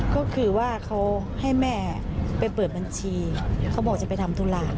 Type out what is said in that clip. ก็คือว่าเขาให้แม่ไปเปิดบัญชีเขาบอกจะไปทำธุระ